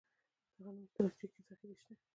د غنمو ستراتیژیکې ذخیرې شته